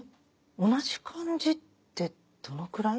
同じ感じってどのくらい？